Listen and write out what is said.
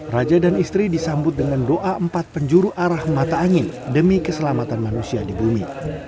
raja dan istri disambut dengan doa empat penjuru arah mata angin demi keselamatan manusia di bumi